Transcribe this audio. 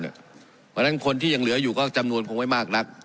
เพราะฉะนั้นคนที่ยังเหลืออยู่ก็จำนวนคงไม่มากนัก